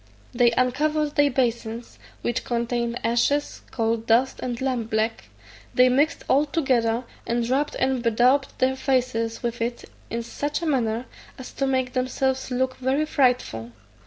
They uncovered their basins, which contained ashes, coal dust, and lamp black; they mixed all together, and rubbed and bedaubed their faces with it in such a manner as to make themselves look very frightful.